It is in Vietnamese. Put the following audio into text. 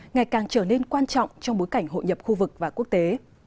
ngày càng trở nên quan trọng trong bối cảnh hội nhập khu vực và quốc tế